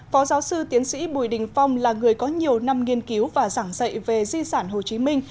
phó giáo sư tiến sĩ bùi đình phong là người có nhiều năm nghiên cứu và giảng dạy về di sản hồ chí minh